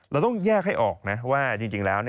เราต้องแยกให้ออกนะว่าจริงแล้ว